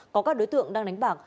có các đối tượng đang đánh bạc